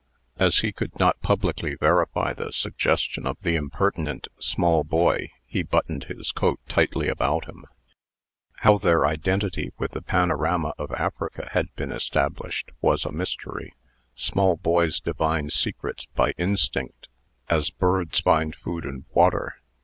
As he could not publicly verify the suggestion of the impertinent small boy, he buttoned his coat tightly about him. How their identity with the panorama of Africa had been established, was a mystery. Small boys divine secrets by instinct, as birds find food and water.